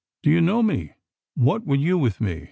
"Do you know me? what would you with me?"